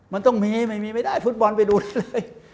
มันต้องมีไม่มีไม่ได้ฟุตบอลไปดูได้เลย